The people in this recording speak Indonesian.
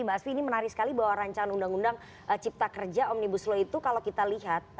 mbak asfi ini menarik sekali bahwa rancangan undang undang cipta kerja omnibus law itu kalau kita lihat